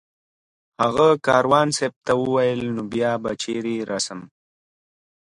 هغه کاروان صاحب ته وویل نو بیا به چېرې رسم